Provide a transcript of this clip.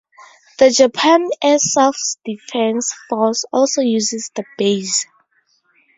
The Japan Air Self-Defense Force also uses the base.